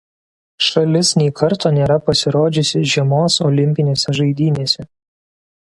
Šalis nei karto nėra pasirodžiusi žiemos olimpinėse žaidynėse.